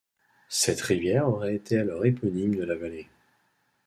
Cette rivière aurait été alors éponyme de la vallée.